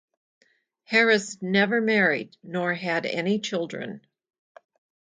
Harris never married nor had any children.